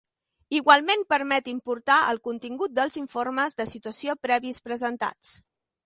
Igualment permet importar el contingut dels informes de situació previs presentats.